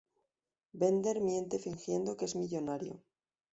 Bender miente fingiendo que es millonario.